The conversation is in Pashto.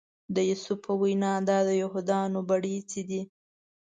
د یوسف په وینا دا د یهودانو بړیڅي دي.